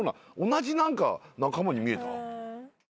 同じ仲間に見えた。